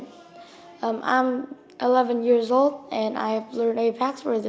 tôi là một mươi một tuổi và tôi đã học apex trong năm năm